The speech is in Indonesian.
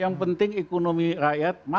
yang penting ekonomi rakyat